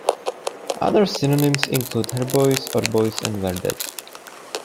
Other synonyms include Herbois, Orbois and Verdet.